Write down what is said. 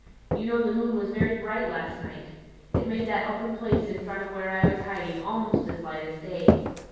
You know the moon was very bright last night. It made that open place in front of where I was hiding almost as light as day.